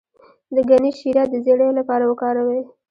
د ګني شیره د زیړي لپاره وکاروئ